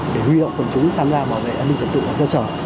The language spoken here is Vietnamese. để huy động quân chúng tham gia bảo vệ an ninh tổ chức và cơ sở